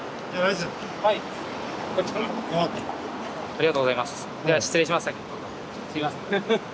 すいません。